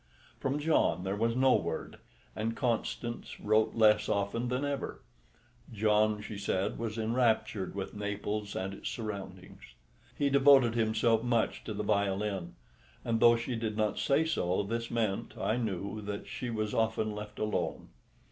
From John there was no word, and Constance wrote less often than ever. John, she said, was enraptured with Naples and its surroundings; he devoted himself much to the violin, and though she did not say so, this meant, I knew, that she was often left alone.